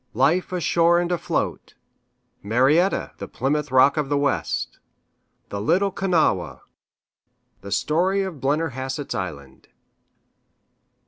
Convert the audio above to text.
Life ashore and afloat Marietta, "the Plymouth Rock of the West" The Little Kanawha The story of Blennerhassett's Island.